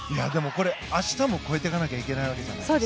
明日も超えていかないといけないわけじゃないですか。